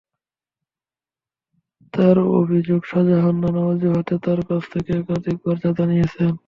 তাঁর অভিযোগ, শাহজাহান নানা অজুহাতে তাঁর কাছ থেকে একাধিকবার চাঁদা নিয়েছেন।